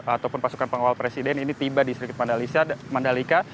ataupun pasukan pengawal presiden ini tiba di sirkuit mandalika